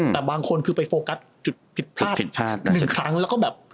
แต่บางคนคือไปโฟกัสจุดผิดพลาด๑ครั้งแล้วก็แบบ